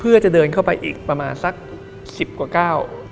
เพื่อจะเดินเข้าไปอีกประมาณสักสิบกว่าก้าว